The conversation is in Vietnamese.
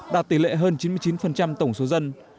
đạt tỷ lệ hơn chín mươi chín tổng số dân